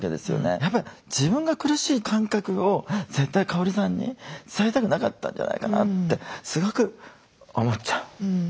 やっぱり自分が苦しい感覚を絶対香さんに伝えたくなかったんじゃないかなってすごく思っちゃう。